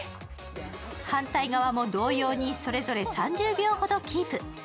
反対側も同様にそれぞれ３０秒ほどキープ。